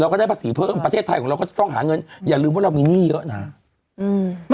ก็ได้ภาษีเพิ่มประเทศไทยของเราก็จะต้องหาเงินอย่าลืมว่าเรามีหนี้เยอะนะอืม